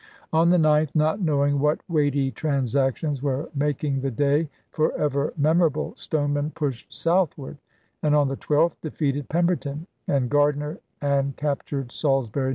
On the 9th, not knowing what weighty transactions were making the day forever memo rable, Stoneman pushed southward, and on the 12th defeated Pemberton and Gardner and captured Salisbury, N.